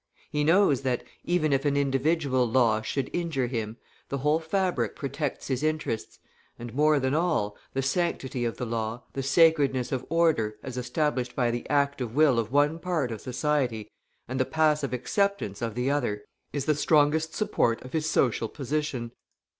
He knows that, even if an individual law should injure him, the whole fabric protects his interests; and more than all, the sanctity of the law, the sacredness of order as established by the active will of one part of society, and the passive acceptance of the other, is the strongest support of his social position.